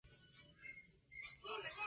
Son arbustos de hoja perenne.